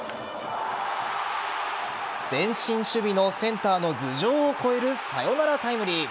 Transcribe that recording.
前進守備のセンターの頭上を越えるサヨナラタイムリー。